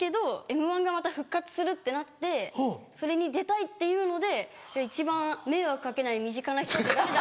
『Ｍ−１』がまた復活するってなってそれに出たいっていうので一番迷惑掛けない身近な人って誰だ？